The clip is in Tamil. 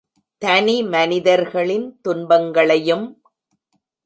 தனி மனிதர்களின் துன்பங்களையும்.